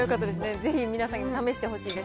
ぜひ、皆さんにも試してほしいです。